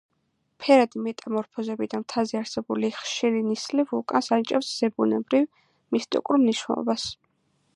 ფერადი მეტამორფოზები და მთაზე არსებული ხშირი ნისლი ვულკანს ანიჭებს ზებუნებრივ, მისტიკურ მნიშვნელობას.